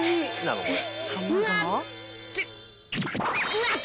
「うわっ！」